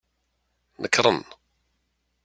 Nekren.